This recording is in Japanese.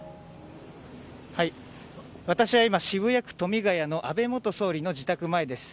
私は今、渋谷区富ヶ谷の安倍元総理の自宅前です。